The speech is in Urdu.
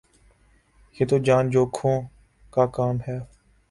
یہ تو جان جو کھوں کا کام ہے